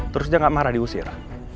terus dia gak marah diusir